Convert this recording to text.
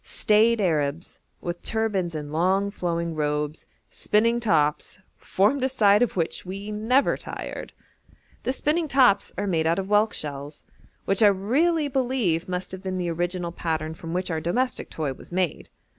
Staid Arabs, with turbans and long, flowing robes, spinning tops, formed a sight of which we never tired. The spinning tops are made out of whelk shells, which I really believe must have been the original pattern from which our domestic toy was made.